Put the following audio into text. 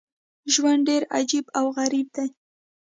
ژوند ډېر عجیب او غریب دی.